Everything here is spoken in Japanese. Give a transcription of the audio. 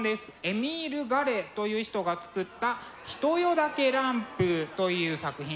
エミール・ガレという人が作った「ひとよ茸ランプ」という作品があります。